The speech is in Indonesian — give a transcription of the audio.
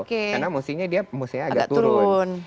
karena musuhnya dia agak turun